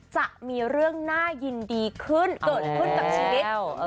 จะมีเรื่องน่ายินดีขึ้นเกิดขึ้นกับชีวิต